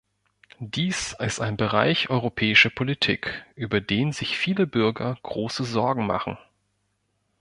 Dies ist ein Bereich europäischer Politik, über den sich viele Bürger große Sorgen machen.